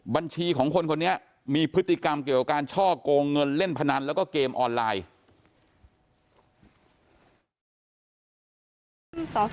บัญชีของคนคนนี้มีพฤติกรรมเกี่ยวกับการช่อกงเงินเล่นพนันแล้วก็เกมออนไลน์